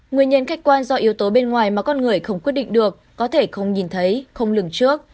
nguyên nhân khách quan do yếu tố bên ngoài mà con người không quyết định được có thể không nhìn thấy không lường trước